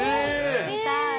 見たい。